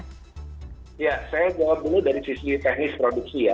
ya saya jawab dulu dari sisi teknis produksi ya